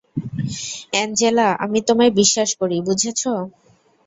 Angela, আমি তোমায় বিশ্বাস করি, বুঝেছ?